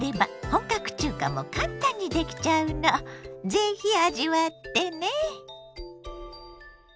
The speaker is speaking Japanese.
ぜひ味わってね！